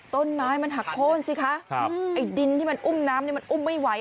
ต้นไม้มันหักโค้นสิคะไอ้ดินที่มันอุ้มน้ำเนี่ยมันอุ้มไม่ไหว